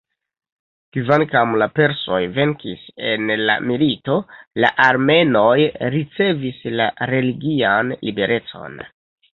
Kvankam la persoj venkis en la milito, la armenoj ricevis la religian liberecon.